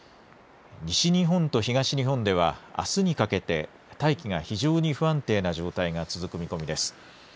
西日本と東日本ではあすにかけて大気が非常に不安定な状態が続く見込みです。